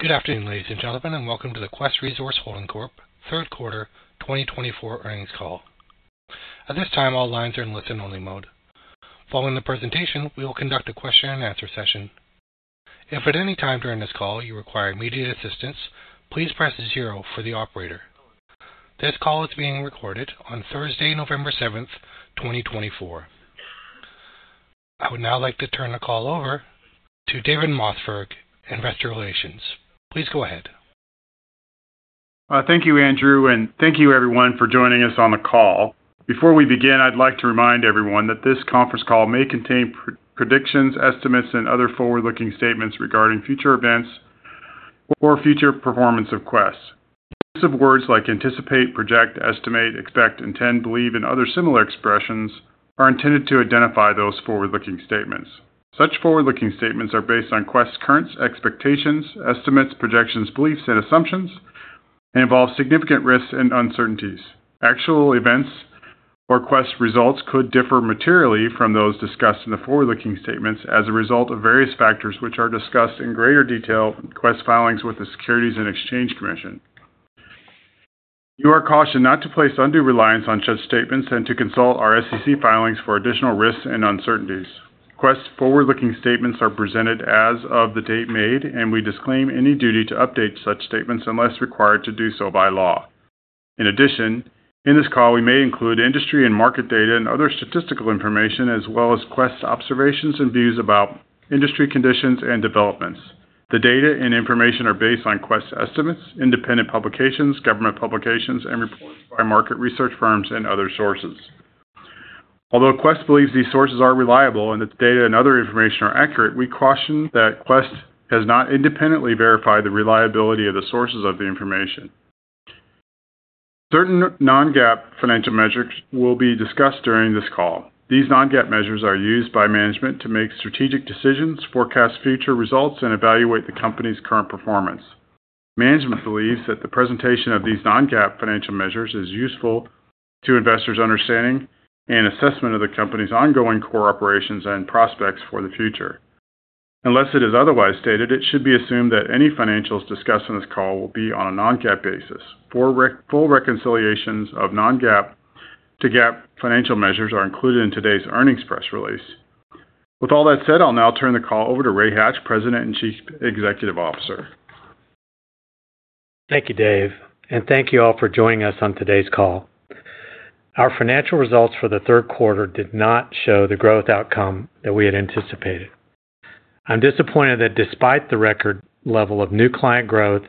Good afternoon, ladies and gentlemen, and welcome to the Quest Resource Holding Corp. third quarter 2024 earnings call. At this time, all lines are in listen-only mode. Following the presentation, we will conduct a question and answer session. If at any time during this call you require immediate assistance, please press zero for the operator. This call is being recorded on Thursday, November 7, 2024. I would now like to turn the call over to David Mossberg, Investor Relations. Please go ahead. Thank you, Andrew, and thank you, everyone, for joining us on the call. Before we begin, I'd like to remind everyone that this conference call may contain predictions, estimates, and other forward-looking statements regarding future events or future performance of Quest. Use of words like anticipate, project, estimate, expect, intend, believe, and other similar expressions are intended to identify those forward-looking statements. Such forward-looking statements are based on Quest current expectations, estimates, projections, beliefs, and assumptions and involve significant risks and uncertainties. Actual events or Quest results could differ materially from those discussed in the forward-looking statements. As a result of various factors which are discussed in greater detail in Quest filings with the Securities and Exchange Commission, you are cautioned not to place undue reliance on such statements and to consult our SEC filings for additional risks and uncertainties. Quest forward-looking statements are presented as of the date made and we disclaim any duty to update such statements unless required to do so by law. In addition, in this call we may include industry and market data and other statistical information as well as Quest observations and views about industry conditions and developments. The data and information are based on Quest estimates and independent publications, government publications, and reports by market research firms and other sources. Although Quest believes these sources are reliable and its data and other information are accurate, we caution that Quest has not independently verified the reliability of the sources of the information. Certain non-GAAP financial measures will be discussed during this call. These non-GAAP measures are used by management to make strategic decisions, forecast future results, and evaluate the Company's current performance. Management believes that the presentation of these non-GAAP financial measures is useful to investors' understanding and assessment of the Company's ongoing core operations and prospects for the future. Unless it is otherwise stated, it should be assumed that any financials discussed on this call will be on a non-GAAP basis. Full reconciliations of non-GAAP to GAAP financial measures are included in today's earnings press release. With all that said, I'll now turn the call over to Ray Hatch, President and Chief Executive Officer. Thank you, David and thank you all for joining us on today's call. Our financial results for the third quarter did not show the growth outcome that we had anticipated. I'm disappointed that despite the record level of new client growth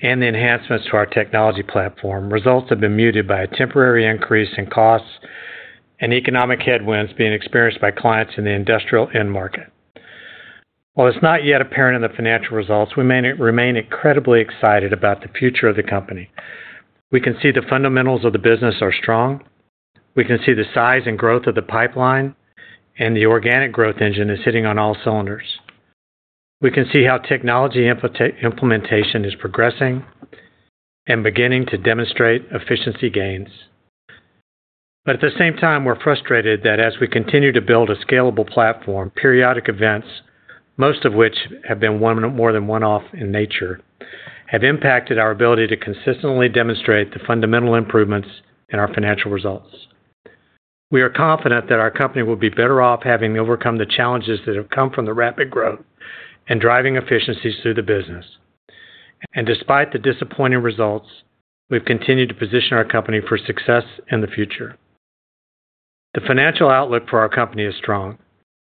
and the enhancements to our technology platform, results have been muted by a temporary increase in costs and economic headwinds being experienced by clients in the industrial end market. While it's not yet apparent in the financial results, we remain incredibly excited about the future of the company. We can see the fundamentals of the business are strong. We can see the size and growth of the pipeline and the organic growth engine is hitting on all cylinders. We can see how technology implementation is progressing and beginning to demonstrate efficiency gains. But at the same time we're frustrated that as we continue to build a scalable platform, periodic events, most of which have been more than one off in nature, have impacted our ability to consistently demonstrate the fundamental improvements in our financial results. We are confident that our company will be better off having overcome the challenges that have come from the rapid growth and driving efficiencies through the business. And despite the disappointing results, we've continued to position our company for success in the future. The financial outlook for our company is strong.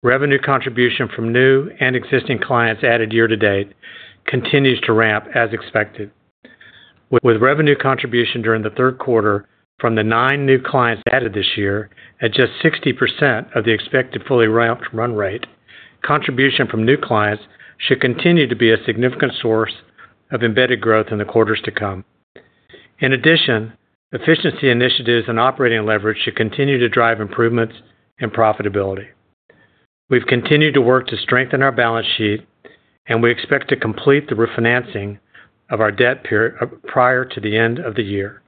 Revenue contribution from new and existing clients added year to date continues to ramp as expected, with revenue contribution during the third quarter from the nine new clients added this year at just 60% of the expected fully ramped run rate. Contribution from new clients should continue to be a significant source of embedded growth in the quarters to come. In addition, efficiency initiatives and operating leverage should continue to drive improvements and profitability. We've continued to work to strengthen our balance sheet and we expect to complete the refinancing of our debt prior to the end of the year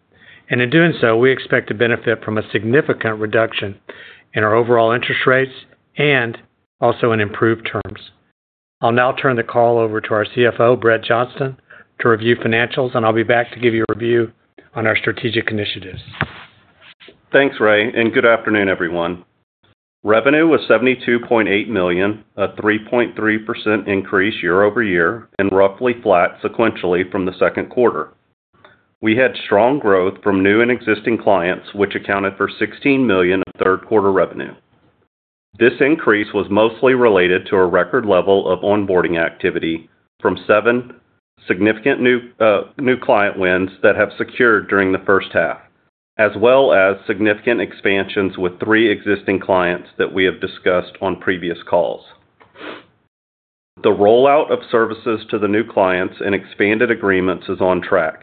and in doing so we expect to benefit from a significant reduction in our overall interest rates and also in improved terms. I'll now turn the call over to our CFO, Brett Johnston, to review financials and I'll be back to give you a review of our strategic initiatives. Thanks, Ray, and good afternoon, everyone. Revenue was $72.8 million, a 3.3% increase year over year and roughly flat sequentially from the second quarter. We had strong growth from new and existing clients which accounted for $16 million of third quarter revenue. This increase was mostly related to a record level of onboarding activity from seven significant new client wins that have secured during the first half, as well as significant expansions with three existing clients that we have discussed on previous calls. The rollout of services to the new clients and expanded agreements is on track.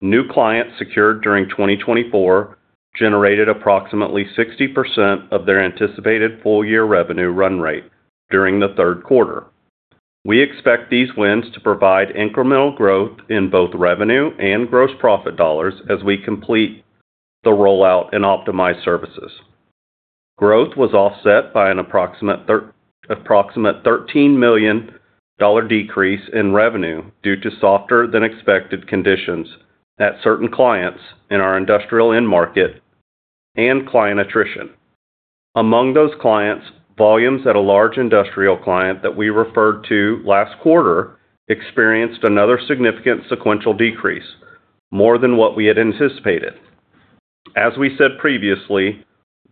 New clients secured during 2024 generated approximately 60% of their anticipated full year revenue run rate during the third quarter. We expect these wins to provide incremental growth in both revenue and gross profit dollars as we complete the rollout and optimize services. Growth was offset by an approximate $13 million decrease in revenue due to softer than expected conditions at certain clients in our industrial end market and client attrition among those clients. Volumes at a large industrial client that we referred to last quarter experienced another significant sequential decrease, more than what we had anticipated. As we said previously,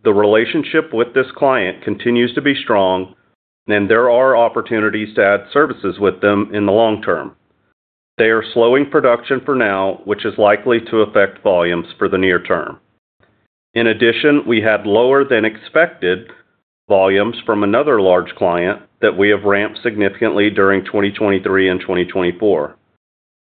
the relationship with this client continues to be strong and there are opportunities to add services with them in the long term. They are slowing production for now, which is likely to affect volumes for the near term. In addition, we had lower than expected volumes from another large client that we have ramped significantly during 2023 and 2024.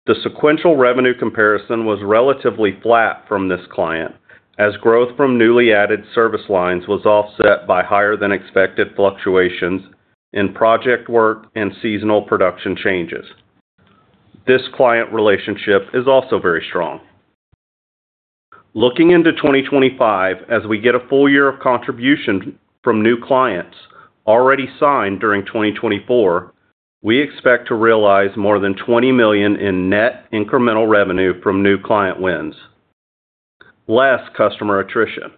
The sequential revenue comparison was relatively flat from this client as growth from newly added service lines was offset by higher than expected fluctuations in project work and seasonal production changes. This client relationship is also very strong. Looking into 2025 as we get a full year of contribution from new clients already signed during 2024, we expect to realize more than $20 million in net incremental revenue from new client wins less customer attrition.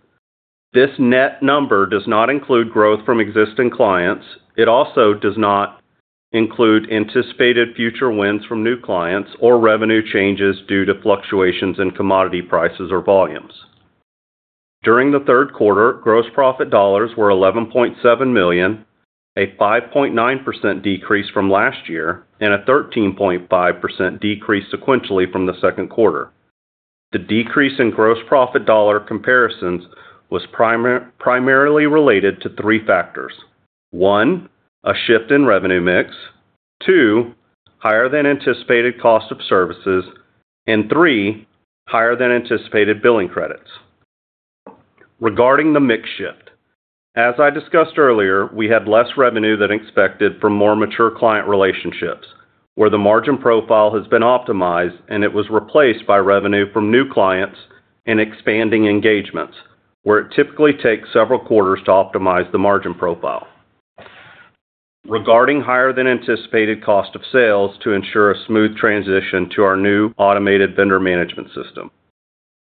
This net number does not include growth from existing clients. It also does not include anticipated future wins from new clients or revenue changes due to fluctuations in commodity prices or during the third quarter. Gross profit dollars were $11.7 million, a 5.9% decrease from last year and a 13.5% decrease sequentially from the second quarter. The decrease in gross profit dollar comparisons was primarily related to three:1. a shift in revenue mix, 2. higher than anticipated cost of services, and 3. higher than anticipated billing credits. Regarding the mix shift, as I discussed earlier, we had less revenue than expected from more mature client relationships where the margin profile has been optimized and it was replaced by revenue from new clients and expanding engagements where it typically takes several quarters to optimize the margin profile regarding higher than anticipated cost of sales to ensure a smooth transition to our new automated vendor management system.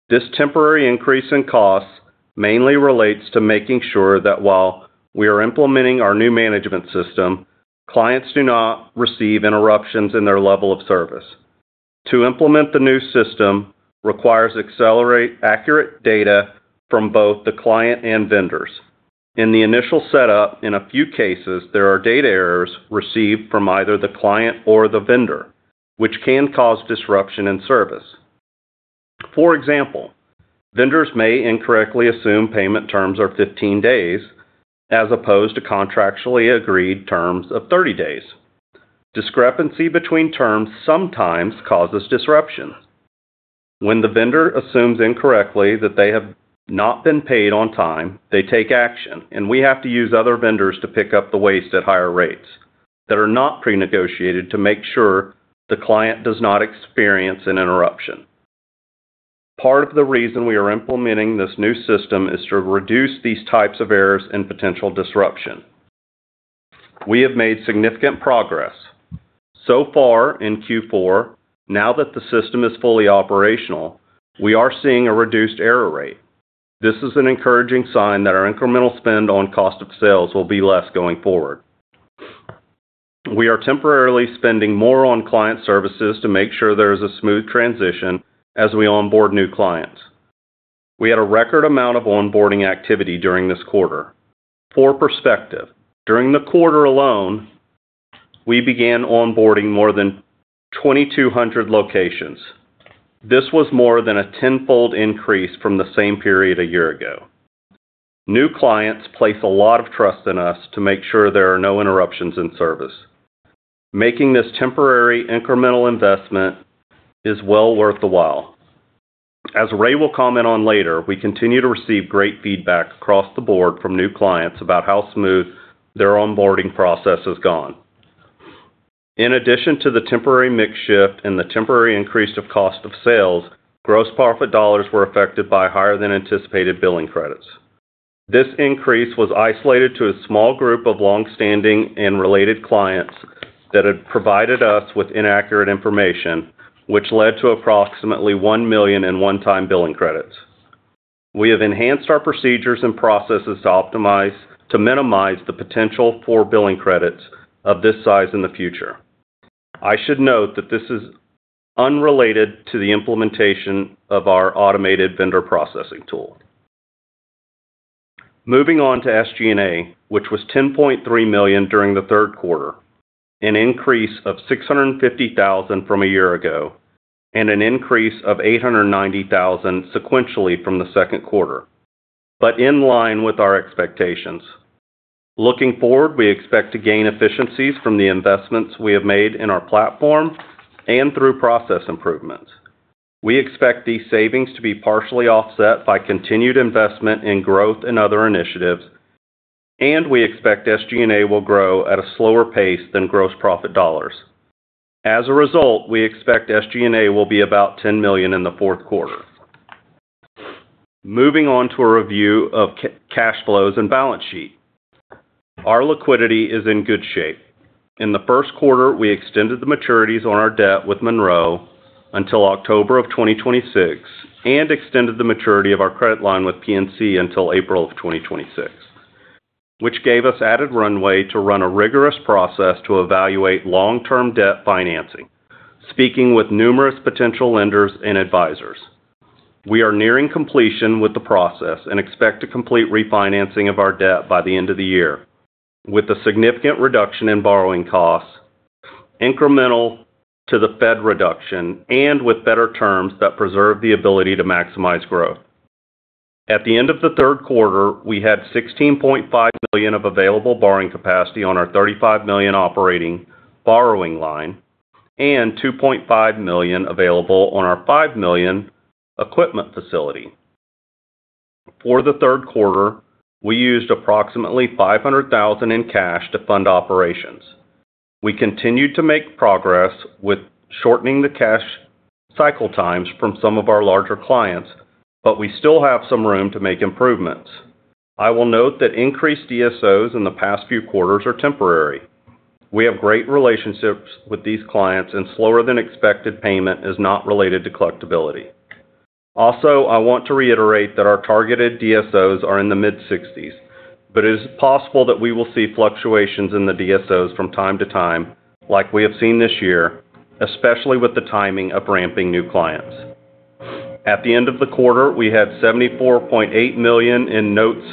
This temporary increase in costs mainly relates to making sure that while we are implementing our new management system, clients do not receive interruptions in their level of service. To implement the new system requires accurate data from both the client and vendors in the initial setup. In a few cases, there are data errors received from either the client or the vendor which can cause disruption in service. For example, vendors may incorrectly assume payment terms are 15 days as opposed to contractually agreed terms of 30 days. Discrepancy between terms sometimes causes disruption. When the vendor assumes incorrectly that they have not been paid on time, they take action and we have to use other vendors to pick up the waste at higher rates that are not pre-negotiated to make sure the client does not experience an interruption. Part of the reason we are implementing this new system is to reduce these types of errors and potential disruption. We have made significant progress so far in Q4. Now that the system is fully operational, we are seeing a reduced error rate. This is an encouraging sign that our incremental spend on cost of sales will be less going forward. We are temporarily spending more on client services to make sure there is a smooth transition as we onboard new clients. We had a record amount of onboarding activity during this quarter. For perspective, during the quarter alone we began onboarding more than 2,200 locations. This was more than a tenfold increase from the same period a year ago. New clients place a lot of trust in us to make sure there are no interruptions in service. Making this temporary incremental investment is well worth the while. As Ray will comment on later, we continue to receive great feedback across the board from new clients about how smooth their onboarding process has gone. In addition to the temporary mix shift and the temporary increase of cost of sales, gross profit dollars were affected by higher than anticipated billing credits. This increase was isolated to a small group of long-standing and related clients that had provided us with inaccurate information which led to approximately $1 million in one-time billing credits. We have enhanced our procedures and processes to optimize to minimize the potential for billing credits of this size in the future. I should note that this is unrelated to the implementation of our automated vendor processing tool. Moving on to SG&A which was $10.3 million during the third quarter, an increase of $650,000 from a year ago and an increase of $890,000 sequentially from the second quarter. But in line with our expectations, looking forward, we expect to gain efficiencies from the investments we have made in our platform and through process improvements. We expect these savings to be partially offset by continued investment in growth and other initiatives, and we expect SG&A will grow at a slower pace than gross profit dollars. As a result, we expect SG&A will be about $10 million in the fourth quarter. Moving on to a review of cash flows and balance sheet, our liquidity is in good shape in the first quarter. We extended the maturities on our debt with Monroe until October of 2026 and extended the maturity of our credit line with PNC until April of 2026, which gave us added runway to run a rigorous process to evaluate long-term debt financing. Speaking with numerous potential lenders and advisors, we are nearing completion with the process and expect to complete refinancing of our debt by the end of the year with a significant reduction in borrowing costs incremental to the Fed reduction and with better terms that preserve the ability to maximize growth. At the end of the third quarter we had $16.5 million of available borrowing capacity on our $35 million operating borrowing line and $2.5 million available on our $5 million equipment facility. For the third quarter we used approximately $500,000 in cash to fund operations. We continued to make progress with shortening the cash cycle times from some of our larger clients, but we still have some room to make improvements. I will note that increased DSOs in the past few quarters are temporary. We have great relationships with these clients, and slower than expected payment is not related to collectability. Also, I want to reiterate that our targeted DSOs are in the mid-60s, but it is possible that we will see fluctuations in the DSOs from time to time like we have seen this year, especially with the timing of ramping new clients. At the end of the quarter, we had $74.8 million in notes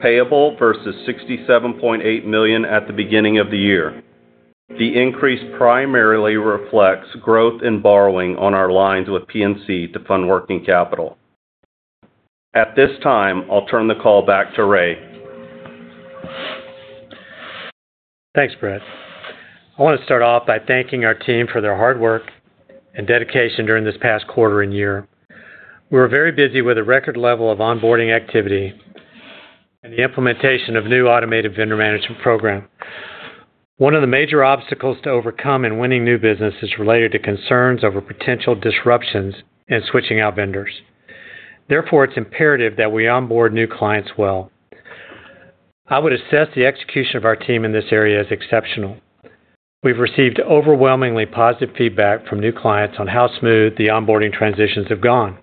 payable versus $67.8 million at the beginning of the year. The increase primarily reflects growth in borrowing on our lines with PNC to fund working capital at this time. I'll turn the call back to Ray. Thanks, Brett. I want to start off by thanking our team for their hard work and dedication during this past quarter and year. We were very busy with a record level of onboarding activity and the implementation of new automated vendor management program. One of the major obstacles to overcome in winning new business is related to concerns over potential disruptions and switching out vendors. Therefore, it's imperative that we onboard new clients well. I would assess the execution of our team in this area as exceptional. We've received overwhelmingly positive feedback from new clients on how smooth the onboarding transitions have gone.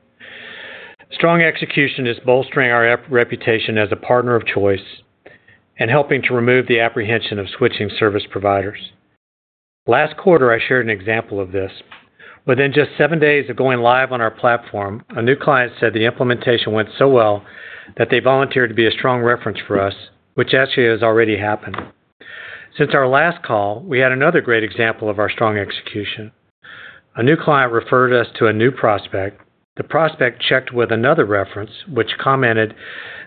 Strong execution is bolstering our reputation as a partner of choice and helping to remove the apprehension of switching service providers. Last quarter I shared an example of this. Within just seven days of going live on our platform, a new client said the implementation went so well that they volunteered to be a strong reference for us, which actually has already happened. Since our last call, we had another great example of our strong execution. A new client referred us to a new prospect. The prospect checked with another reference which commented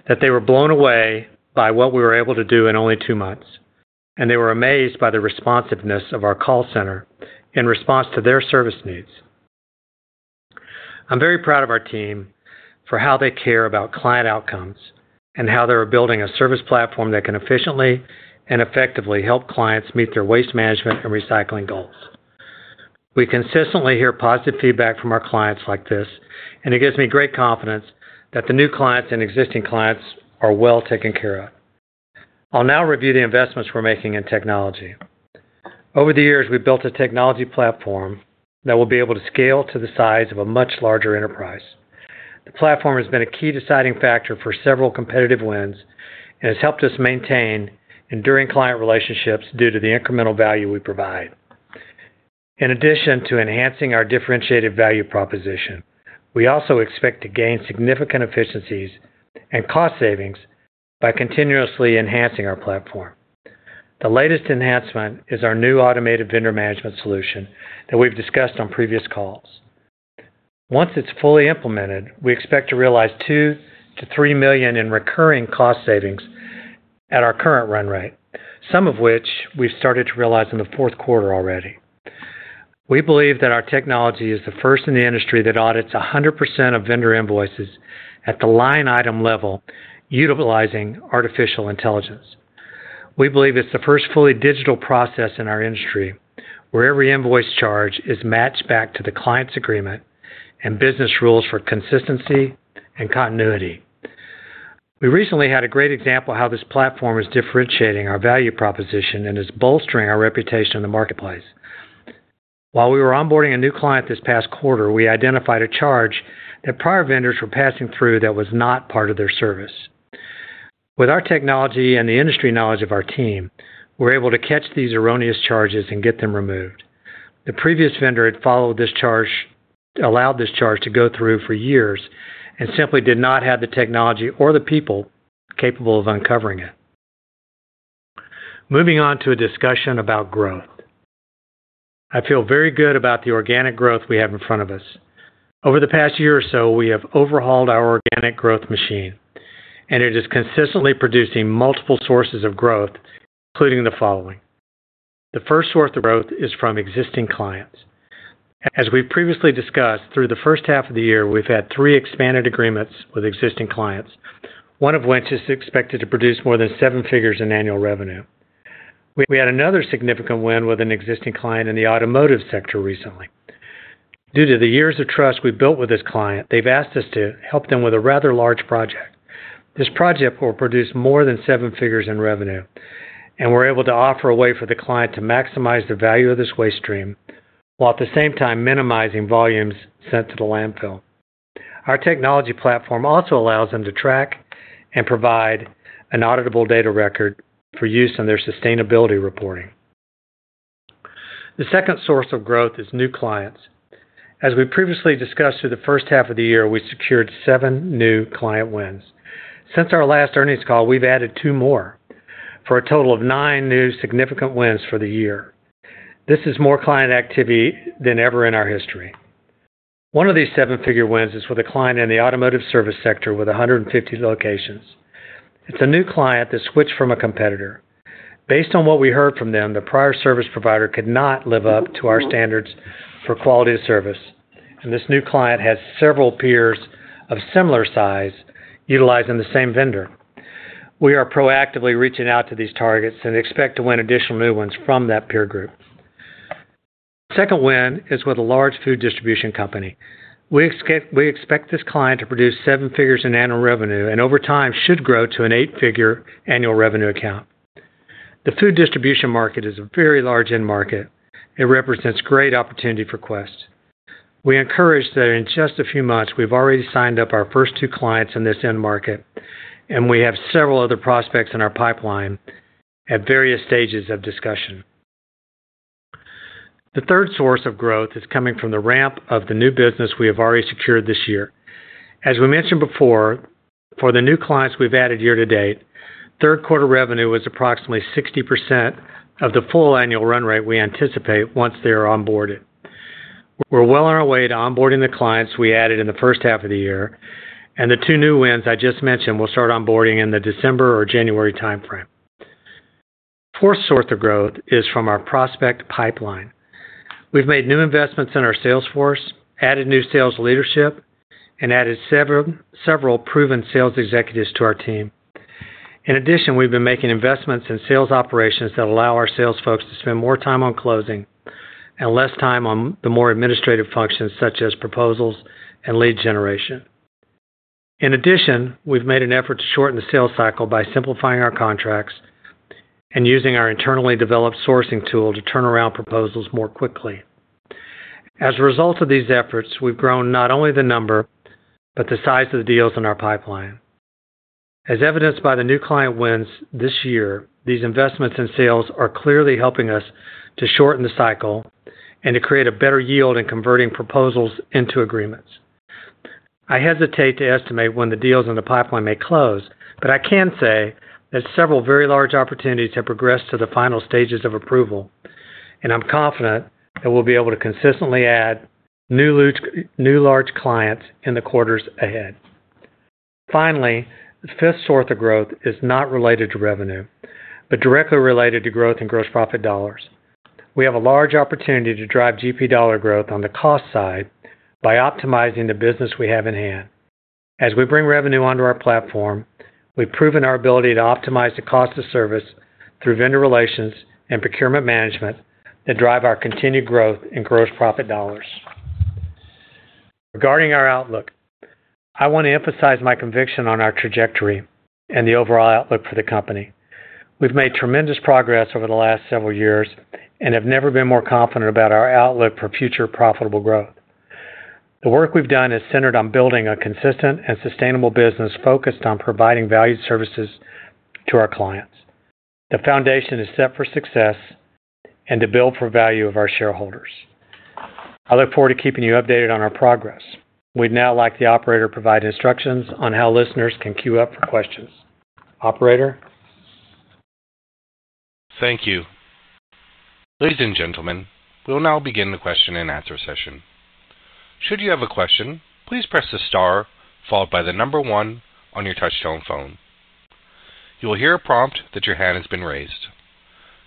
that they were blown away by what we were able to do in only two months and they were amazed by the responsiveness of our call center in response to their service needs. I'm very proud of our team for how they care about client outcomes and how they are building a service platform that can efficiently and effectively help clients meet their waste management and recycling goals. We consistently hear positive feedback from our clients like this and it gives me great confidence that the new clients and existing clients are well taken care of. I'll now review the investments we're making in technology. Over the years, we built a technology platform that will be able to scale to the size of a much larger enterprise. The platform has been a key deciding factor for several competitive wins and has helped us maintain enduring client relationships due to the incremental value we provide. In addition to enhancing our differentiated value proposition, we also expect to gain significant efficiencies and cost savings by continuously enhancing our platform. The latest enhancement is our new automated vendor management solution that we've discussed on previous calls. Once it's fully implemented, we expect to realize $2 million-$3 million in recurring cost savings at our current run rate, some of which we've started to realize in the fourth quarter already. We believe that our technology is the first in the industry that audits 100% of vendor invoices at the line item level. Utilizing artificial intelligence, we believe it's the first fully digital process in our industry where every invoice charge is matched back to the client's agreement and business rules for consistency and continuity. We recently had a great example how this platform is differentiating our value proposition and is bolstering our reputation in the marketplace. While we were onboarding a new client this past quarter, we identified a charge that prior vendors were passing through that was not part of their service. With our technology and the industry knowledge of our team, we're able to catch these erroneous charges and get them removed. The previous vendor had forwarded this charge, allowed this charge to go through for years, and simply did not have the technology or the people capable of uncovering it. Moving on to a discussion about growth, I feel very good about the organic growth we have in front of us. Over the past year or so, we have overhauled our organic growth machine, and it is consistently producing multiple sources of growth, including the following: the first source of growth is from existing clients. As we previously discussed, through the first half of the year, we've had three expanded agreements with existing clients, one of which is expected to produce more than seven figures in annual revenue. We had another significant win with an existing client in the automotive sector. Recently, due to the years of trust we built with this client, they've asked us to help them with a rather large project. This project will produce more than seven figures in revenue and we're able to offer a way for the client to maximize the value of this waste stream while at the same time minimizing volumes sent to the landfill. Our technology platform also allows them to track and provide an auditable data record for use in their sustainability reporting. The second source of growth is new clients. As we previously discussed, through the first half of the year we secured seven new client wins. Since our last earnings call, we've added two more for a total of nine new significant wins for the year. This is more client activity than ever in our history. One of these seven-figure wins is with a client in the automotive service sector with 150 locations. It's a new client that switched from a competitor based on what we heard from them. The prior service provider could not live up to our standards for quality of service, and this new client has several peers of similar size utilizing the same vendor. We are proactively reaching out to these targets and expect to win additional new ones from that peer group. Second win is with a large food distribution company. We expect this client to produce seven figures in annual revenue and over time should grow to an eight-figure annual revenue account. The food distribution market is a very large end market. It represents great opportunity for Quest. We are encouraged that in just a few months we've already signed up our first two clients in this end market and we have several other prospects in our pipeline at various stages of discussion. The third source of growth is coming from the ramp of the new business we have already secured this year. As we mentioned before, for the new clients we've added year to date, third quarter revenue was approximately 60% of the full annual run rate. We anticipate once they are onboarded, we're well on our way to onboarding the clients we added in the first half of the year. And the two new wins I just mentioned will start onboarding in the December or January timeframe. Fourth source of growth is from our prospect pipeline. We've made new investments in our sales force, added new sales leadership, and added several proven sales executives to our team. In addition, we've been making investments in sales operations that allow our sales folks to spend more time on closing and less time on the more administrative functions such as proposals and lead generation. In addition, we've made an effort to shorten the sales cycle by simplifying our contracts and using our internally developed sourcing tool to turn around proposals more quickly. As a result of these efforts, we've grown not only the number but the size of the deals in our pipeline, as evidenced by the new client wins this year. These investments in sales are clearly helping us to shorten the cycle and to create a better yield in converting proposals into agreements. I hesitate to estimate when the deals in the pipeline may close, but I can say that several very large opportunities have progressed to the final stages of approval, and I'm confident that we'll be able to consistently add new large clients in the quarters ahead. Finally, the fifth source of growth is not related to revenue, but directly related to growth in gross profit dollars. We have a large opportunity to drive GP dollar growth on the cost side by optimizing the business we have in hand as we bring revenue onto our platform. We've proven our ability to optimize the cost of service through vendor relations and procurement management that drive our continued growth in gross profit dollars. Regarding our outlook, I want to emphasize my conviction on our trajectory and the overall outlook for the company. We've made tremendous progress over the last several years and have never been more confident about our outlook for future profitable growth. The work we've done is centered on building a consistent and sustainable business focused on providing valued services to our clients. The foundation is set for success and to build for value of our shareholders. I look forward to keeping you updated on our progress. We'd now like the operator provide instructions on how listeners can queue up for questions. Operator? Thank you ladies and gentlemen. We will now begin the question and answer session. Should you have a question, please press the star followed by the number one. On your touchtone phone you will hear a prompt that your hand has been raised.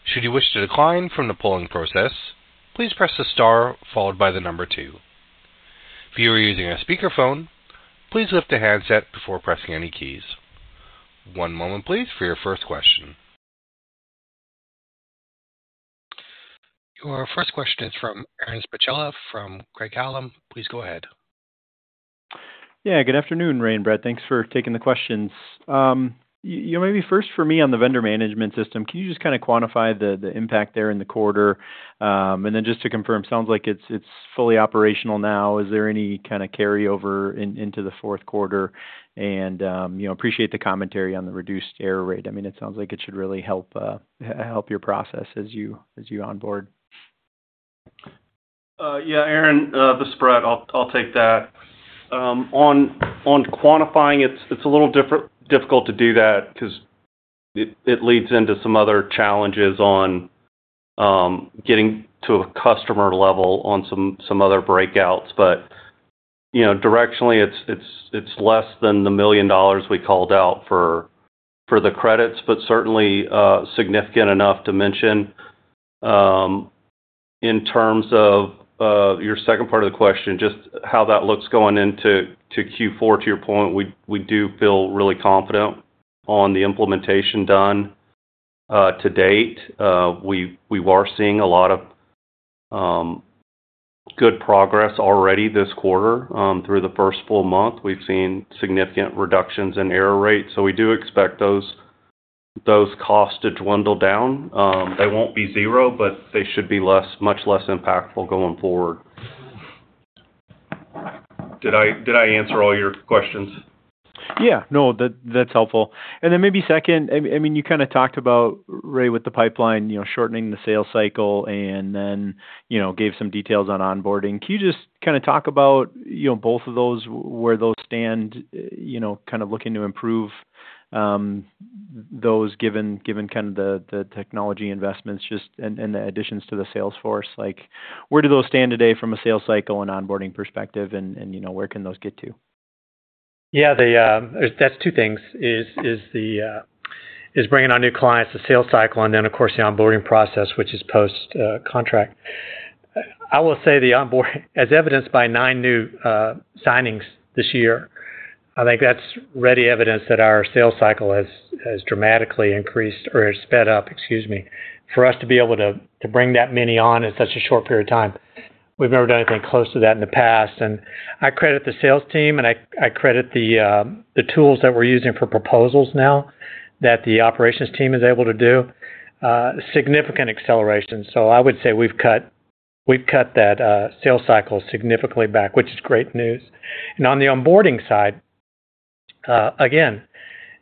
Should you wish to decline from the polling process, please press the star followed by the number two. If you are using a speakerphone, please lift the handset before pressing any keys. One moment please for your first question. Your first question is from Aaron Spychalla from Craig-Hallum, please go ahead. Yeah, good afternoon, Ray and Brett. Thanks for taking the questions. Maybe first for me on the vendor management system. Can you just kind of quantify the impact there in the quarter, and then just to confirm, sounds like it's fully operational now? Is there any kind of carryover into the fourth quarter? And you know, appreciate the commentary on the reduced error rate. I mean it sounds like it should really help your process as you on board. Yeah, Aaron, the spread, I'll take that. On quantifying. It's a little difficult to do that because it leads into some other challenges on getting to a customer level, on some other breakouts. But directionally it's less than the $1 million we called out for the credits, but certainly significant enough to mention in terms of your second part of the question, just how that looks going into Q4. To your point, we do feel really confident on the implementation done to date. We are seeing a lot. Of. Good progress already this quarter through the first full month. We've seen significant reductions in error rates. So we do expect those costs to dwindle down. They won't be zero, but they should be much less impactful going forward. Did I answer all your Question? Yeah, no, that's. Helpful, and then maybe second, I mean, you kind of talked about Ray with the pipeline, you know, shortening the sales cycle and then, you know, gave some details on onboarding. Can you just kind of talk about, you know, both of those, where those stand, you know, kind of looking? To improve those, given kind of the technology investments, just. And the additions to the sales force, like, where do those stand today from a sales cycle and onboarding perspective, and where can those get to? Yeah, that's two things: bringing on new clients, the sales cycle. And then, of course, the onboarding process, which is post-contract. I will say the onboarding, as evidenced by nine new signings this year. I think that's ready evidence that our sales cycle has dramatically increased or sped up. Excuse me, for us to be able to bring that many on in such a short period of time. We've never done anything close to that in the past. And I credit the sales team, and I credit the tools that we're using for proposals now that the operations team is able to do significant acceleration. So I would say we've cut that sales cycle significantly back, which is great news. And on the onboarding side, again,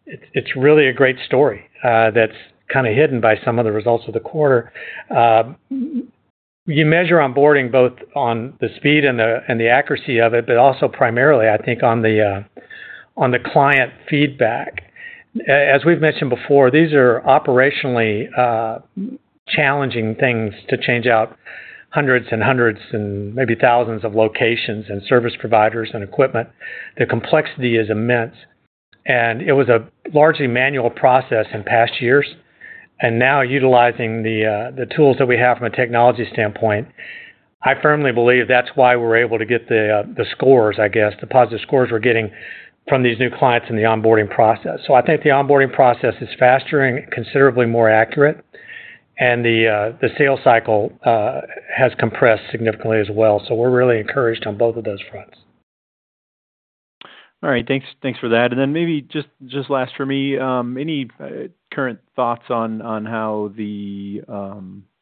it's really a great story that's kind of hidden by some of the results of the quarter. You measure onboarding both on the speed and the accuracy of it, but also primarily, I think, on the client feedback. As we've mentioned before, these are operationally challenging things to change out hundreds and hundreds and maybe thousands of locations and service providers and equipment. The complexity is immense. It was a largely manual process in past years. Now utilizing the tools that we have from a technology standpoint, I firmly believe that's why we're able to get the scores, I guess, the positive scores we're getting from these new clients in the onboarding process. I think the onboarding process is faster and considerably more accurate. The sales cycle has compressed significantly as well. We're really encouraged on both of those fronts. All right, thanks for that. And then maybe just last for me, any current thoughts on how the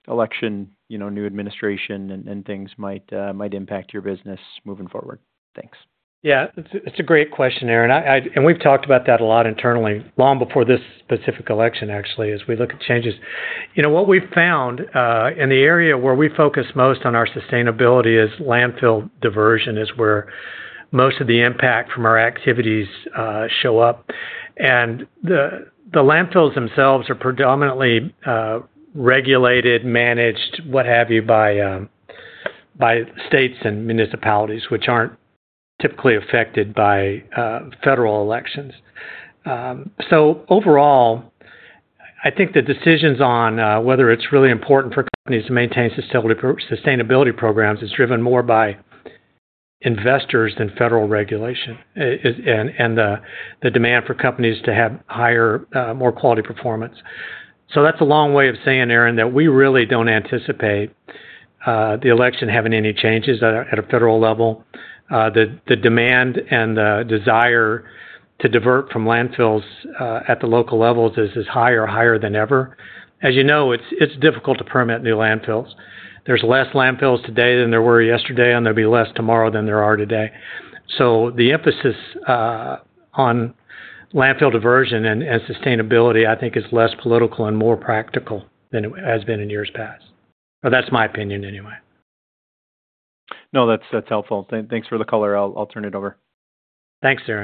election, new administration and things might impact your business moving forward? Thanks. Yeah, it's a great question, Aaron, and we've talked about that a lot internally long before this specific election, actually. As we look at changes, what we've found, and the area where we focus most on our sustainability, is landfill diversion, is where most of the impact from our activities show up, and the landfills themselves are predominantly regulated, managed, what have you, by states and municipalities, which aren't typically affected by federal elections. Overall, I think the decisions on whether it's really important for companies to maintain sustainability programs is driven more by investors than federal regulation and the demand for companies to have higher, more quality performance. That's a long way of saying, Aaron, that we really don't anticipate the election having any changes at a federal level. The demand and the desire to divert from landfills at the local levels is higher than ever. As you know, it's difficult to permit new landfills. There's less landfills today than there were yesterday and there'll be less tomorrow than there are today. So the emphasis on landfill diversion and sustainability, I think is less political and more practical than it has been in years past. Or that's my opinion, anyway. Now, that's helpful. Thanks for the call I'll turn it over. Thanks you.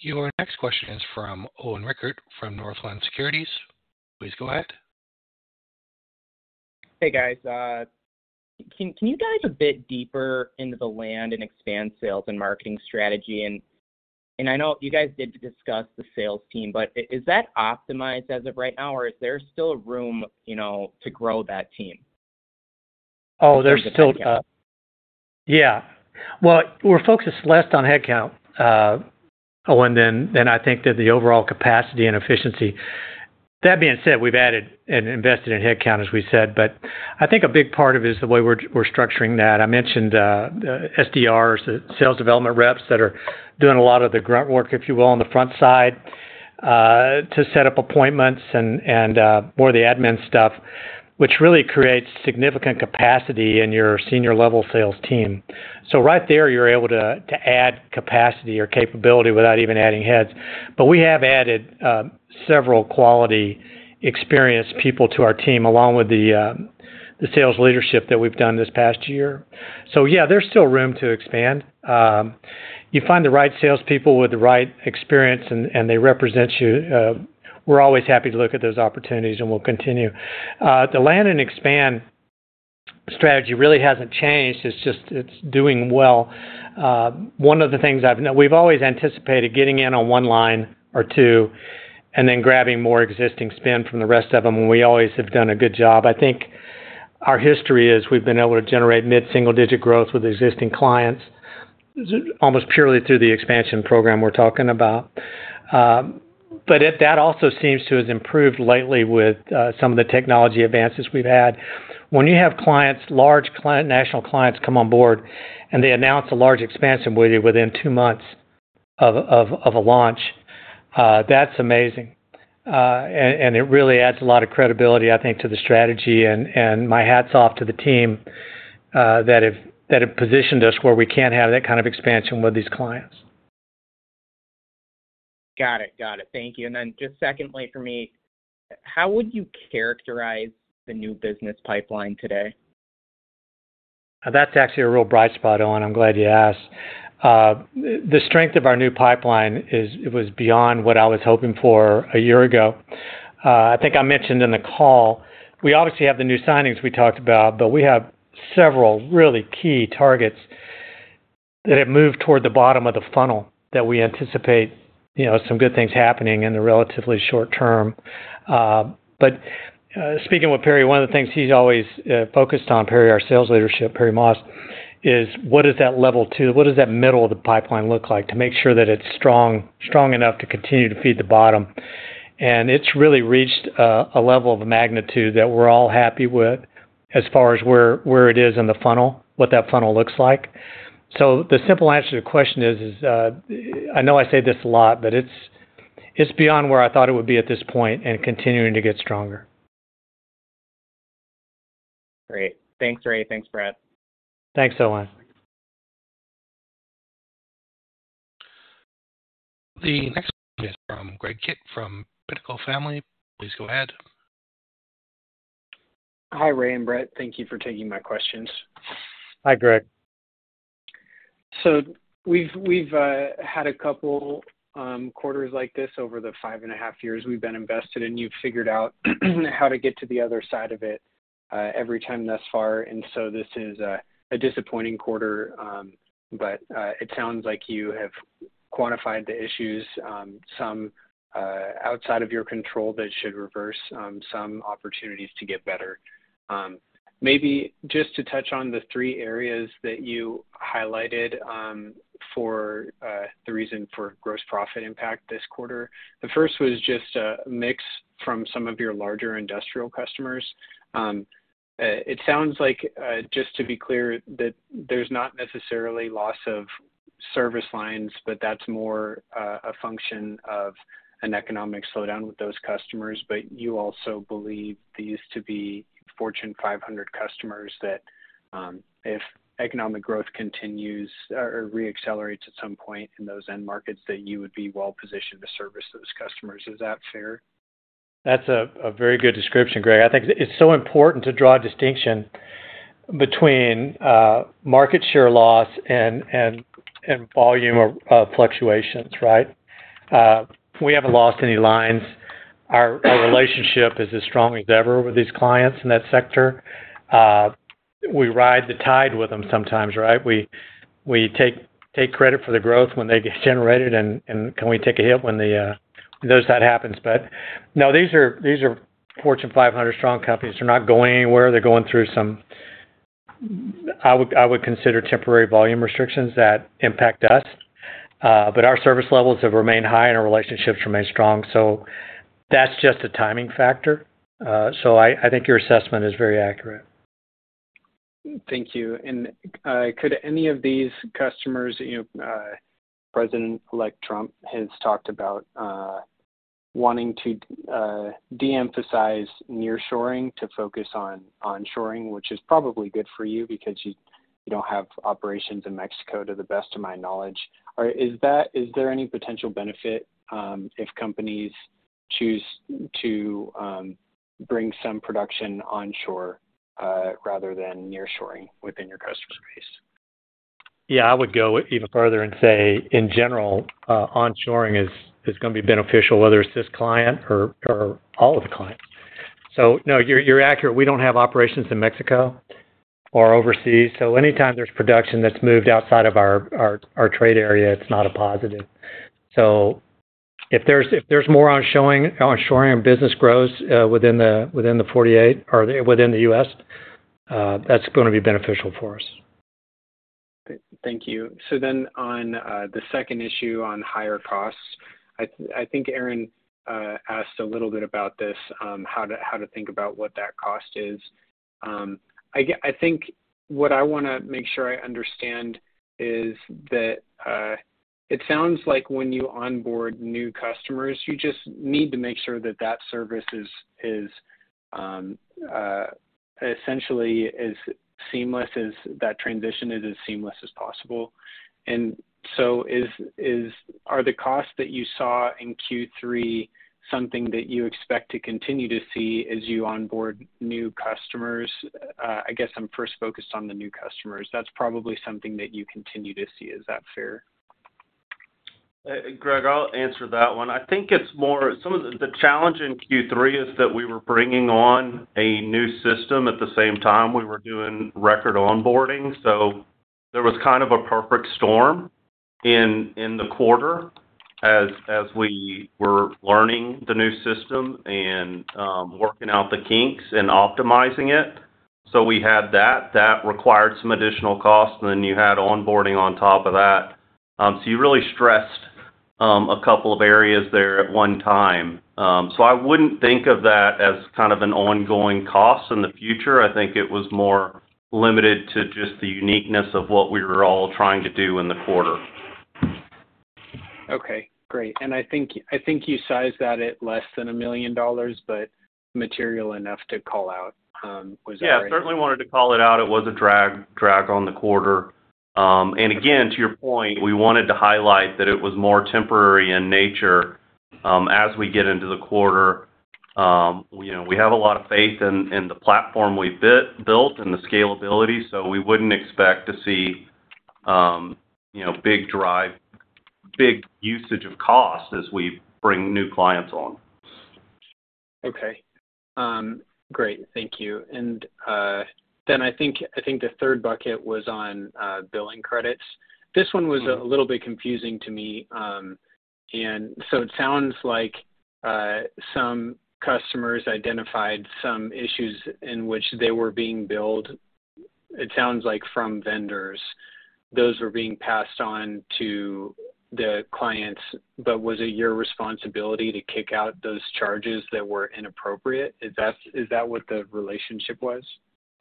Your next question is from Owen Rickert from Northland Securities. Please go a head. Hey guys, can you dive a bit deeper into the land and expand sales and marketing strategy, and I know you guys did discuss the sales team, but is that optimized as of right now or is there still room to grow that? Well, we're focused less on headcount than, I think, the overall capacity and efficiency. That being said, we've added and invested in headcount, as we said, but I think a big part of it is the way we're structuring that. I mentioned SDRs, sales development reps that are doing a lot of the grunt work, if you will, on the front side to set up appointments and more of the admin stuff, which really creates significant capacity in your senior level sales team. So right there you're able to add capacity or capability without even adding heads. But we have added several quality, experienced people to our team along with the sales leadership that we've done this past year. So yeah, there's still room to expand. You find the right salespeople with the right experience and they represent you. We're always happy to look at those opportunities and we'll continue. The land and expand strategy really hasn't changed. It's just, it's doing well. One of the things I've, we've always anticipated getting in on one line or two and then grabbing more existing spend from the rest of them. And we always have done a good job. I think our history is we've been able to generate mid single digit growth with existing clients almost purely through the expansion program we're talking about. But that also seems to have improved lately with some of the technology advances we've had. When you have clients, large client, national clients come on board and they announce a large expansion with you within two months of a launch, that's amazing. It really adds a lot of credibility, I think, to the strategy and my hat's off to the team that have positioned us where we can't have that kind of expansion with these clients. Got it, got it. Thank you. And then just secondly for me, how would you characterize the new business pipeline today? That's actually a real bright spot. Owen, I'm glad you asked. The strength of our new pipeline was beyond what I was hoping for a year ago. I think I mentioned in the call. We obviously have the new signings we talked about, but we have several really key targets that have moved toward the bottom of the funnel that we anticipate some good things happening in the relatively short term. But speaking with Perry, one of the things he's always focused on, Perry, our sales leadership, Perry Moss is what is that level two? What does that middle of the pipeline look like to make sure that it's strong enough to continue to feed the bottom? And it's really reached a level of magnitude that we're all happy with as far as where it is in the funnel, what that funnel looks like. So the simple answer to the question is, I know I say this a lot, but it's beyond where I thought it would be at this point and continuing to get stronger. Great. Thanks Ray. Thanks alot. Thanks Owen. The next question is from Greg Kitt from Pinnacle Family Office. Please go ahead. Hi, Ray and Brett. Thank you for taking my Questions. Hi Greg. So we've had a couple quarters like this over the five and a half years we've been invested and you've figured out how to get to the other side of it every time thus far. And so this is a disappointing quarter. But it sounds like you have quantified the issues, some outside of your control. That should reverse some opportunities to get better. Maybe just to touch on the three areas that you highlighted for the reason for gross profit impact this quarter. The first was just a mix from some of your larger industrial customers. It sounds like, just to be clear, that there's not necessarily loss of service lines, but that's more a function of an economic slowdown with those customers. But you also believe these to be Fortune 500 customers, that if economic growth continues or reaccelerates at some point in those end markets, that you would be well positioned to service those customers. Is that fair? That's a very good description, Greg. I think it's so important to draw a distinction between market share loss and volume fluctuations. Right. We haven't lost any lines. Our relationship is as strong as ever with these clients in that sector. We ride the tide with them sometimes. Right. We take credit for the growth when they get generated and we take a hit when that happens. But no. These are Fortune 500 strong companies. They're not going anywhere. They're going through some. I would consider temporary volume restrictions that impact us. But our service levels have remained high and our relationships remain strong. So that's just a timing factor. So I think your assessment is very accurate. Thank you. And could any of these customers President-elect Trump has talked about wanting to deemphasize nearshoring to focus on onshoring, which is probably good for you because you don't have operations in Mexico, to the best of my knowledge. Is there any potential benefit if companies choose to bring some production onshore rather than nearshoring within your customer base? Yeah. I would go even further and say in general onshoring is going to be beneficial, whether it's this client or all of the clients. So no, you're accurate. We don't have operations in Mexico or overseas. So anytime there's production that's moved outside of our trade area, it's not a positive. So if there's more onshoring and business grows within the 48 or within the U.S. that's going to be beneficial for us. Thank you. So then on the second issue on higher costs, I think Aaron asked a little bit about this, how to think about what that cost is. I think what I want to make sure I understand is that it sounds like when you onboard new customers, you just need to make sure that that service is essentially as seamless as that transition is as seamless as possible. And so are the costs that you saw in Q3, something that you expect to continue to see as you onboard new customers? I guess I'm first focused on the new customers. That's probably something that you continue to see. Is that fair? Greg, I'll answer that one. I think it's more. Some of the challenge in Q3 is that we were bringing on a new system at the same time we were doing record onboarding. So there was kind of a perfect storm in the quarter as we were learning the new system and working out the kinks and optimizing it. So we had that. That required some additional cost and then you had onboarding on top of that. So you really stressed a couple of areas there at one time. So I wouldn't think of that as kind of an ongoing cost in the future. I think it was more limited to just the uniqueness of what we were all trying to do in the quarter. Okay, great. And I think you size that at less than $1 million, but material enough to call. Yeah, certainly wanted to call it out. It was a drag on the quarter. And again, to your point, we wanted to highlight that it was more temporary in nature. As we get into the quarter, we have a lot of faith in the platform we built and the scalability. So we wouldn't expect to, you know, big drive, big usage of cost as we bring new clients on. Okay, great. Thank you. And then I think, I think the third bucket was on billing credits. This one was a little bit confusing to me. And so it sounds like some customers identified some issues in which they were being billed. It sounds like from vendors, those were being passed on to the clients. But was it your responsibility to kick out those charges that were inappropriate? Is that what the relationship was?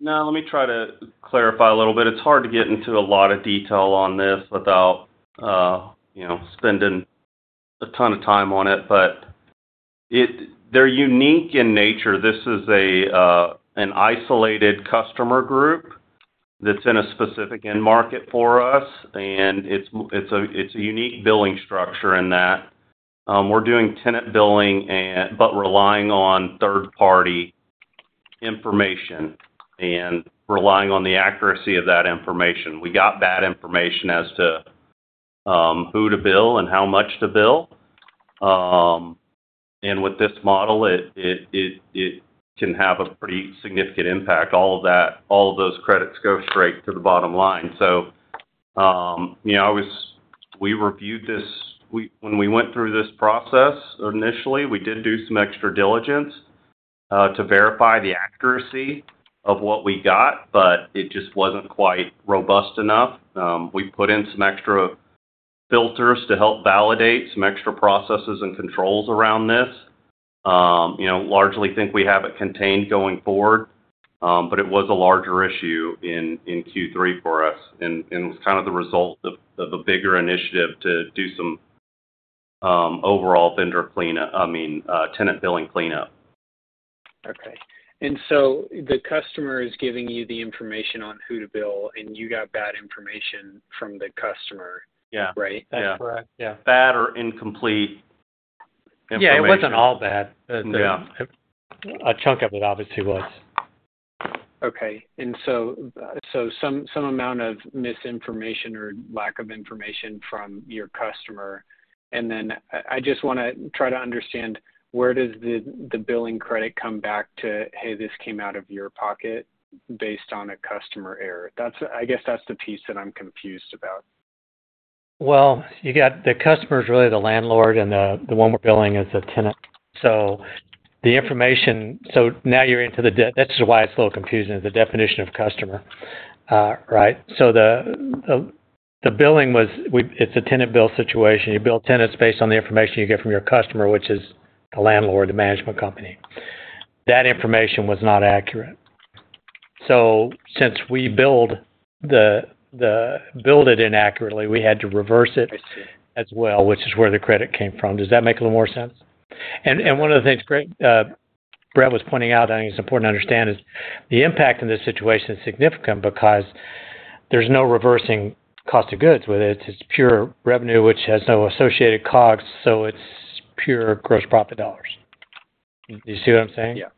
No. Let me try to clarify a little bit. It's hard to get into a lot of detail on this without spending a ton of time on it, but they're unique in nature. This is an isolated customer group that's in a specific end market for us, and it's a unique billing structure in that we're doing tenant billing, but relying on third party information and relying on the accuracy of that information. We got bad information as to who to bill and how much to bill, and with this model, it can have a pretty significant impact. All of that, all of those credits go straight to the bottom line. So, you know, we reviewed this when we went through this process initially. We did do some extra diligence to verify the accuracy of what we got, but it just wasn't quite robust enough. We put in some extra filters to help validate some extra processes and controls around this. You know, largely think we have it contained going forward, but it was a larger issue in Q3 for us and was kind of the result of a bigger initiative to do some overall vendor cleanup. I mean, tenant billing cleanup. Okay. And so the customer is giving you the information on who to bill, and you got bad information from the. Yeah, right. Yeah. Bad or incomplete? Yeah, It wasn't all bad. A chunk of it obviously to us. Okay. And so some amount of misinformation or lack of information from your customer, and then I just want to try to understand where does the billing credit come back to? Hey, this came out of your pocket based on a customer error? I guess that's the piece that I'm confused. Well, you got the customer is really the landlord, and the one we're billing is the tenant. So the information. So now you're into the detail. This is why it's a little confusing, the definition of customer. Right. So the billing was. It's a tenant bill situation. You bill tenants based on the information you get from your customer, which is the landlord, the management company. That information was not accurate. So since we bill it inaccurately, we had to reverse it as well, which is where the credit came from. Does that make a little more sense? And one of the things Brett was pointing out, I think it's important to understand is the impact in this situation is significant because there's no reversing cost of goods with it. It's pure revenue, which has no associated COGS. So it's pure gross profit dollars. You see what I'm saying? Yeah.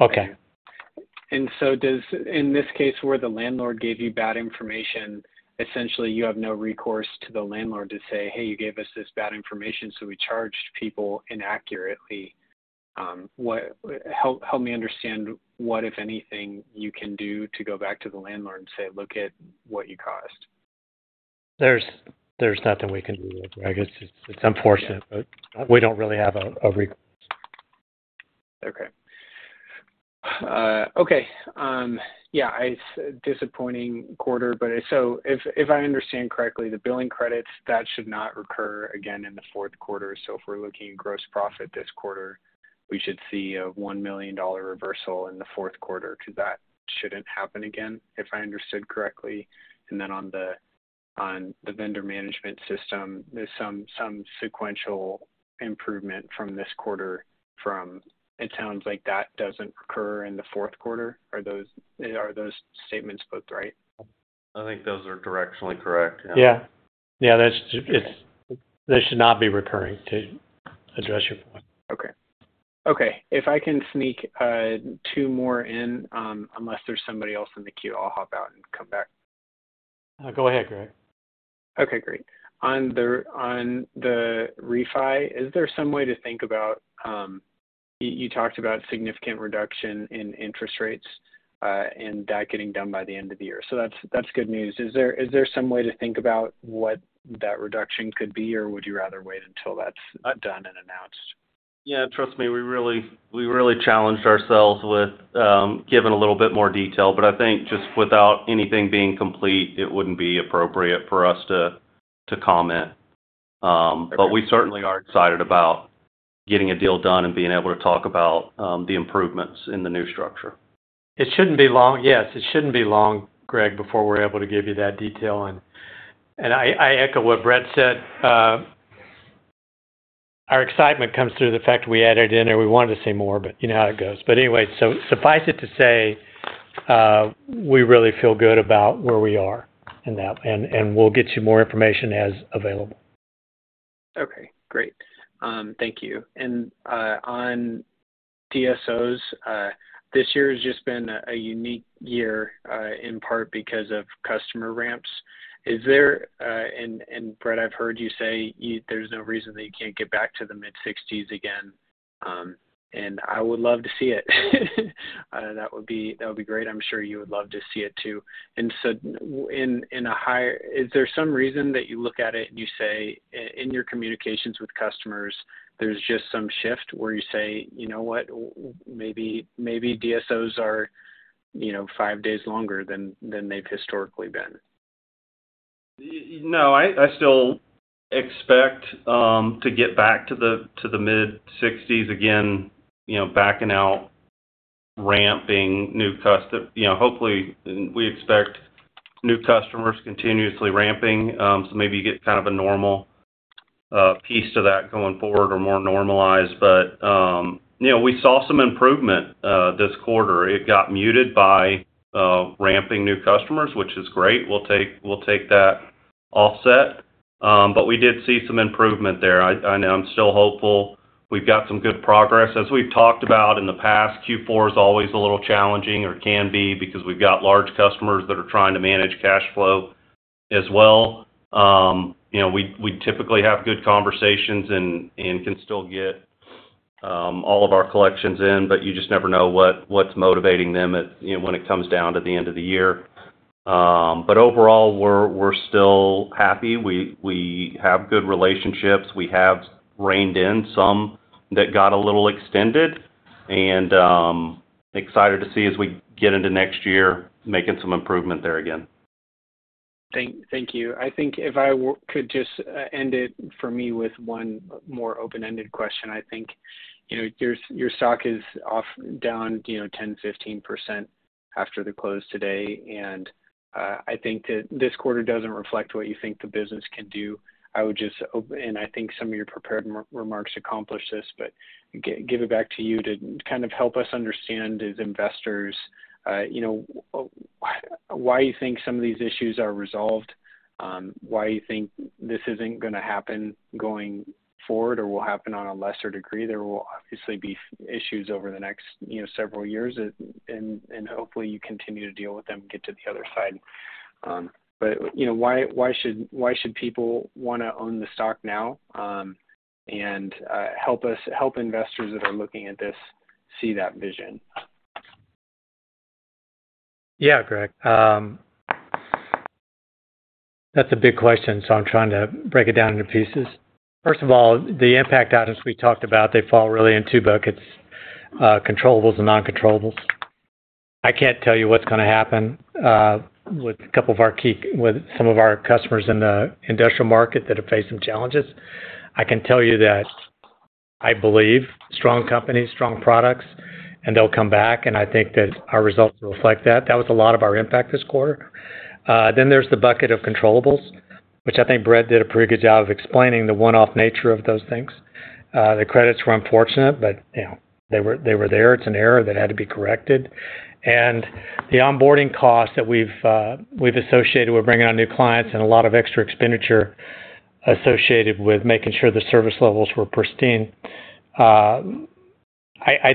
Okay. And so, does in this case, where the landlord gave you bad information, essentially, you have no recourse to the landlord to say, hey, you gave us this bad information, so we charged people inaccurately. Help me understand what, if anything, you can do to go back to the landlord and say, look at what you caused? There's nothing we can do, Greg. It's unfortunate, but we don't really have a. Okay. Yeah. Disappointing quarter, but. So if I understand correctly, the billing credits that should not recur again in the fourth quarter. So if we're looking at gross profit this quarter, we should see a $1 million reversal in the fourth quarter to that shouldn't happen again, if I understood correctly. And then on the vendor management system, there's some sequential improvement from this quarter. It sounds like that doesn't occur in the fourth quarter. Are those statements both right? I think those are directionally correct. Yeah. Yeah. They should not be recurring to address your point. Okay. Okay. If I can sneak two more in, unless there's somebody else in the queue, I'll hop out and come back. Go ahead. Okay, great. On the refi, is there some way to think about? You talked about significant reduction in interest rates and that getting done by the end of the year, so that's good news. Is there some way to think about what that reduction could be, or would you rather wait until that's done and announced? ? Yeah, trust. We really challenged ourselves with giving a little bit more detail, but I think just without anything being complete, it wouldn't be appropriate for us to comment. But we certainly are excited about getting a deal done and being able to talk about the improvements in the new structure. It shouldn't be long. Yes, it shouldn't be long, Greg, before we're able to give you that detail. And I echo what Brett said. Our excitement comes through the fact we added in and we wanted to see more, but you know how it goes. But anyway, so suffice it to say, we really feel good about where we are and we'll get you more information as available. Okay, great. Thank you. And on DSOs, this year has just been a unique year in part because of customer ramps. And Brett, I've heard you say there's no reason that you can't get back to the mid-60s again. And I would love to see it. That would be great. I'm sure you would love to see it, too. Is there some reason that you look at it and you say in your communications with customers, there's just some shift where you say, you know what, maybe DSOs are, you know, five days longer than they've historically been? No, I still expect to get back to the mid-60s again, you know, backing out, ramping new customers. You know, hopefully we expect new customers continuously ramping. So maybe you get kind of a normal pace to that going forward or more normalized. But, you know, we saw some improvement this quarter. It got muted by ramping new customers, which is great. We'll take that offset. But we did see some improvement there. I know. I'm still hopeful we've got some good progress. As we've talked about in the past, Q4 is always a little challenging or can be because we've got large customers that are trying to manage cash flow as well. You know, we typically have good conversations and can still get all of our collections in. But you just never know what's motivating them when it comes down to the end of the year. But overall we're still happy. We have good relationships, we have reined in some that got a little extended and excited to see as we get into next year making some improvement there again. Thank you. I think if I could just end it for me with one more open ended question. I think you know your stock is off down, you know, 10%-15% after the close today and I think that this quarter doesn't reflect what you think the business can do. I would just open, I think some of your prepared remarks accomplish this, but give it back to you to kind of help us understand as investors, you know, why you think some of these issues are resolved, why you think this isn't going to happen going forward or will happen on a lesser degree. There will obviously be issues over the next several years and hopefully you continue to deal with them, get to the other side. But why should people want to own the stock now and help investors that are looking at this see that vision? Yeah, Greg, that's a big question. So I'm trying to break it down into pieces. First of all, the impact items we talked about, they fall really in two buckets, controllables and non-controllables. I can't tell you what's going to happen with a couple of our key with some of our customers in the industrial market that have faced some challenges. I can tell you that I believe strong companies, strong products and they'll come back and I think that our results reflect that. That was a lot of our impact this quarter. Then there's the bucket of controllables which I think Brett did a pretty good job of explaining the one-off nature of those things. The credits were unfortunate, but they were there. It's an error that had to be corrected and the onboarding costs that we've associated with bringing on new clients and a lot of extra expenditure associated with making sure the service levels were pristine. I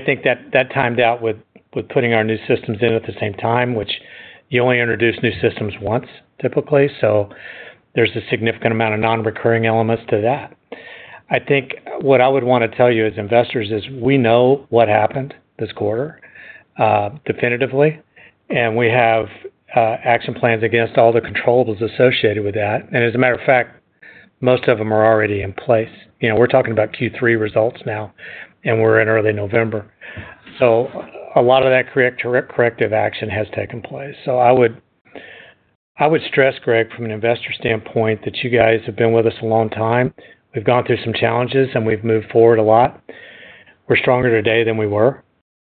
think that timed out with putting our new systems in at the same time, which you only introduce new systems once typically. So there's a significant amount of non-recurring elements to that. I think what I would want to tell you as investors is we know what happened this quarter definitively and we have action plans against all the controllables associated with that. And as a matter of fact most of them are already in place. You know, we're talking about Q3 results now and we're in early November. So a lot of that corrective action has taken place. So, I would, I would stress, Greg, from an investor standpoint that you guys have been with us a long time. We've gone through some challenges and we've moved forward a lot. We're stronger today than we were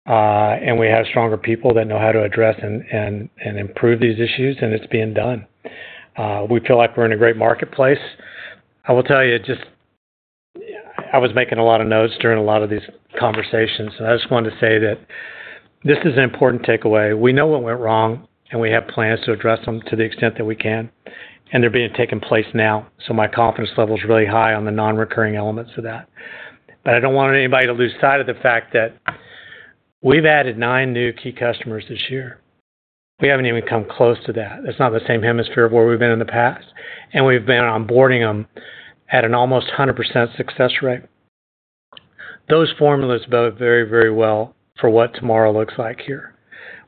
and we have stronger people that know how to address and improve these issues. And it's being done. We feel like we're in a great marketplace. I will tell you just I was making a lot of notes during a lot of these conversations and I just wanted to say that this is an important takeaway. We know what went wrong and we have plans to address them to the extent that we can and they're being taken place now. So my confidence level is really high on the non-recurring elements of that. But I don't want anybody to lose sight of the fact that we've added nine new key customers this year. We haven't even come close to that. It's not the same hemisphere where we've been in the past and we've been onboarding them at an almost 100% success rate. Those formulas bode very, very well for what tomorrow looks like. Here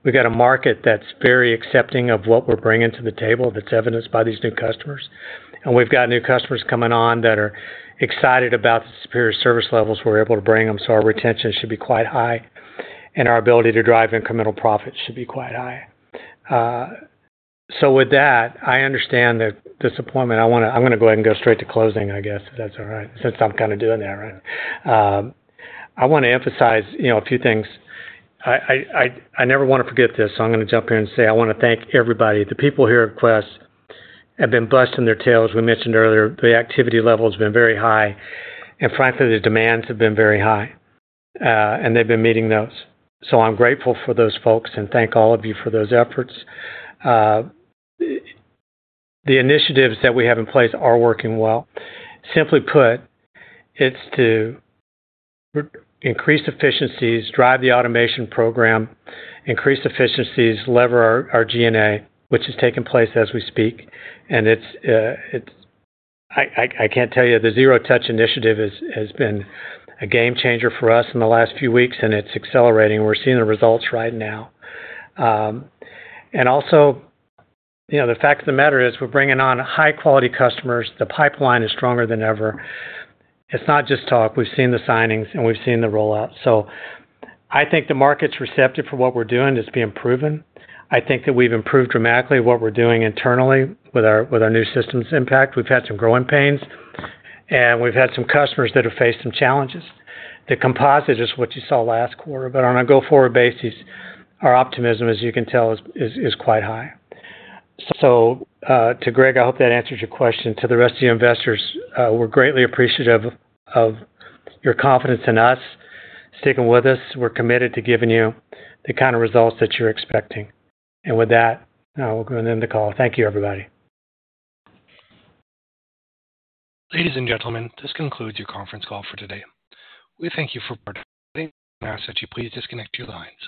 we've got a market that's very accepting of what we're bringing to the table. That's evidenced by these new customers. And we've got new customers coming on that are excited about the superior service levels we're able to bring them. So our retention should be quite high and our ability to drive incremental profits should be quite high. So with that I understand that disappointment. I'm going to go ahead and go straight to closing. I guess that's all right. Since I'm kind of doing that right. I want to emphasize a few things. I never want to forget this. So I'm going to jump in and say I want to thank everybody. The people here at Quest have been busting their tails. We mentioned earlier the activity level has been very high and frankly the demands have been very high and they've been meeting those. So I'm grateful for those folks and thank all of you for those efforts. The initiatives that we have in place are working well. Simply put, it's to increase efficiencies, drive the automation program, increase efficiencies, leverage our G&A, which has taken place as we speak. And it's. I can't tell you, the Zero Touch initiative has been a game changer for us in the last few weeks and it's accelerating. We're seeing the results right now. And also the fact of the matter is we're bringing on high quality customers. The pipeline is stronger than ever. It's not just talk. We've seen the signings and we've seen the rollout. So I think the market's receptive for what we're doing. It's being proven, I think that we've improved dramatically what we're doing internally with our new systems impact. We've had some growing pains and we've had some customers that have faced some challenges. The composite is what you saw last quarter, but on a go forward basis, our optimism, as you can tell, is quite high. So to Greg, I hope that answers your question to the rest of the investors. We're greatly appreciative of your confidence in us sticking with us. We're committed to giving you the kind of results that you're expecting. And with that, we're going to end the call. Thank you everybody. Ladies and gentlemen, this concludes your conference call for today. We thank you for participating and ask that you please disconnect your.